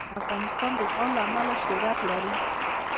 افغانستان د زغال له امله شهرت لري.